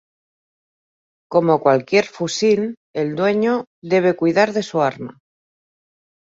Como cualquier fusil, el dueño debe cuidar de su arma.